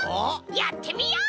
やってみよう！